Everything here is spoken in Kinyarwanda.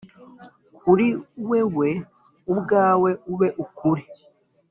kuri wewe ubwawe ube ukuri